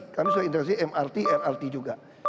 kami sudah integrasi mrt nrt juga